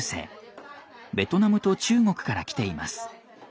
ベトナムと中国から来ています。